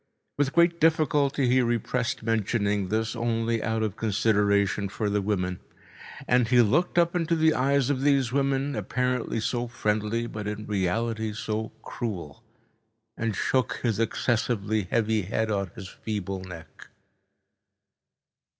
With great difficulty he repressed mentioning this only out of consideration for the women. And he looked up into the eyes of these women, apparently so friendly but in reality so cruel, and shook his excessively heavy head on his feeble neck.